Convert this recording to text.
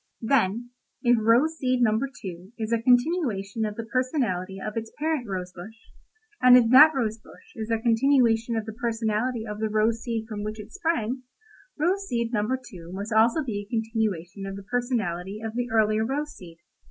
"Then, if rose seed number two is a continuation of the personality of its parent rose bush, and if that rose bush is a continuation of the personality of the rose seed from which it sprang, rose seed number two must also be a continuation of the personality of the earlier rose seed.